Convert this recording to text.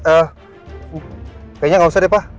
kayaknya gak usah deh pak